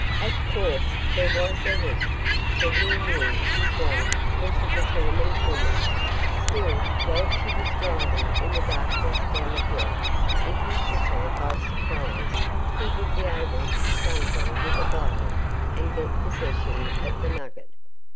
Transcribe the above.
Of course there was a risk, for he knew his wife was a determined woman; still, while she was driving in the darkness down the hill, if he took her by surprise he would be able to stun her with a blow and get possession of the nugget.